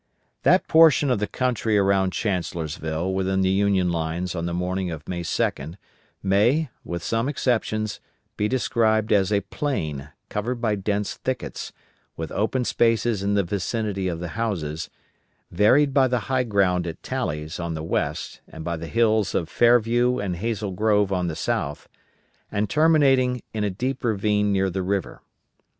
That portion of the country around Chancellorsville within the Union lines on the morning of May 2d, may, with some exceptions, be described as a plain, covered by dense thickets, with open spaces in the vicinity of the houses, varied by the high ground at Talley's on the west and by the hills of Fairview and Hazel Grove on the south, and terminating in a deep ravine near the river.